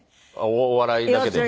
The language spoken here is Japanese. お笑いだけで。